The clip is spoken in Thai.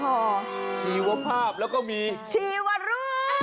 ชีวภาพแล้วก็มีชีวรูป